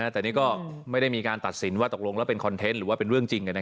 แต่นี่ก็ไม่ได้มีการตัดสินว่าตกลงแล้วเป็นคอนเทนต์หรือว่าเป็นเรื่องจริง